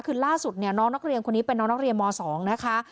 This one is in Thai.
คือล่าสุดเนี่ยน้องนักเรียนคนนี้เป็นน้องนักเรียนม๒นะคะ